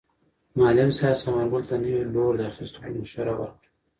معلم صاحب ثمر ګل ته د نوي لور د اخیستلو مشوره ورکړه.